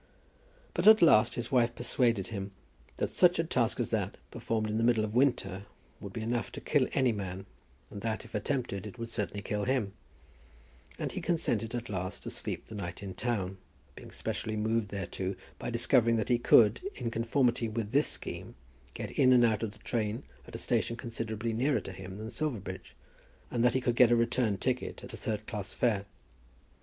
But at last his wife persuaded him that such a task as that, performed in the middle of the winter, would be enough to kill any man, and that, if attempted, it would certainly kill him; and he consented at last to sleep the night in town, being specially moved thereto by discovering that he could, in conformity with this scheme, get in and out of the train at a station considerably nearer to him than Silverbridge, and that he could get a return ticket at a third class fare.